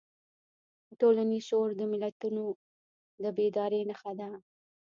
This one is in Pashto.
ټولنیز شعور د ملتونو د بیدارۍ نښه ده.